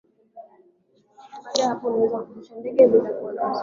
baada ya hapo ndio unaweza kurusha ndege bila kuwa na wasiwasi